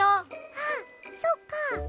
あっそっか。